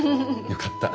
よかった。